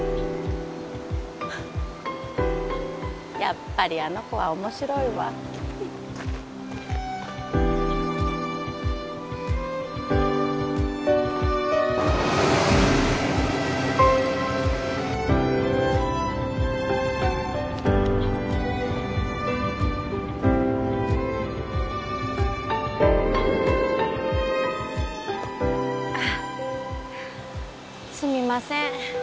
やっぱりあの子は面白いわあっすみません